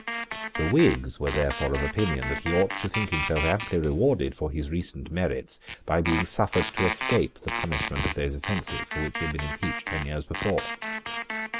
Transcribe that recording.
The Whigs were therefore of opinion that he ought to think himself amply rewarded for his recent merits by being suffered to escape the punishment of those offences for which he had been impeached ten years before.